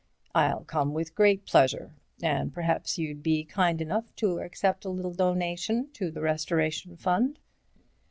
I'll come with great pleasure. And perhaps you'd be kind enough to accept a little donation to the Restoration Fund."